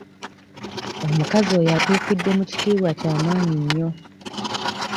Omukazi oyo atuukidde mu kitiibwa kya maanyi nnyo.